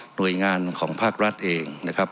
หน่วยงานของภาครัฐเองนะครับ